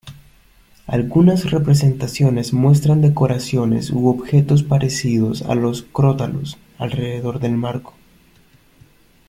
Algunas representaciones muestran decoraciones u objetos parecidos a los crótalos alrededor del marco.